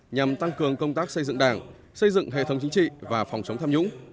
nhằm tăng cường công tác xây dựng đảng xây dựng hệ thống chính trị và phòng chống tham nhũng